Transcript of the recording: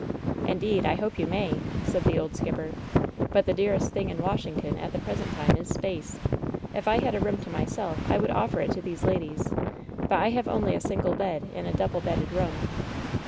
"Indeed, I hope you may," said the old skipper ; 'T)ut the dearest thing in Washington at the present time is space ! If I had a room to myself I would offer it to these ladies, but I have only a single bed in a double* bedded room."